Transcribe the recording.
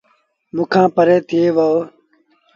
موݩ کآݩ پري ٿئي وهو۔